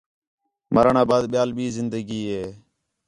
مرݨ آ بعد ٻِیال ٻئی زندگی ہے